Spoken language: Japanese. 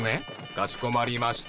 かしこまりました。